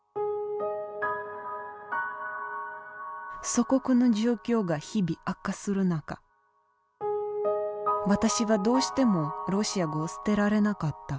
祖国の状況が日々悪化する中私はどうしてもロシア語を捨てられなかった。